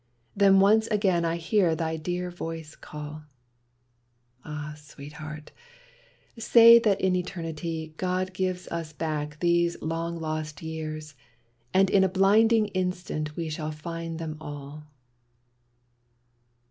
Then once again I hear thy dear voice call; Ah, Sweetheart, say that in Eternity God gives us back these long lost years, and in A blinding instant we shall find them all.